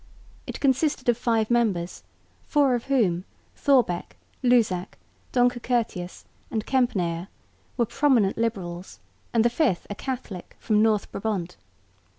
It consisted of five members, four of whom, Thorbecke, Luzac, Donker Curtius and Kempenaer, were prominent liberals and the fifth a Catholic from North Brabant.